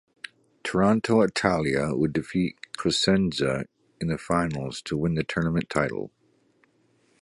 Toronto Italia would defeat Cosenza in the finals to win the tournament title.